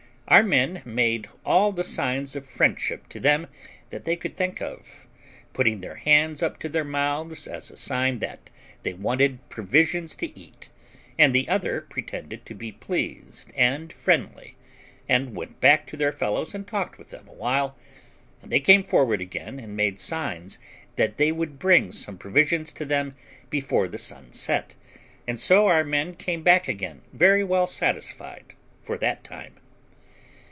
Our men made all the signs of friendship to them that they could think of, putting their hands up to their mouths as a sign that they wanted provisions to eat; and the other pretended to be pleased and friendly, and went back to their fellows and talked with them a while, and they came forward again, and made signs that they would bring some provisions to them before the sun set; and so our men came back again very well satisfied for that time.